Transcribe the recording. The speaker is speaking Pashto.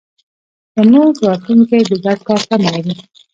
زموږ راتلونکی د ګډ کار تمه لري.